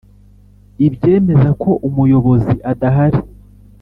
Ibyemeza ko umuyobozi adahari